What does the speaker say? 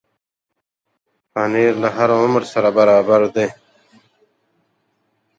پنېر له هر عمر سره برابر دی.